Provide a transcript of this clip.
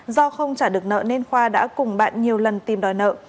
do không trả được nợ nên khoa đã cùng bạn nhiều lần tìm đòi nợ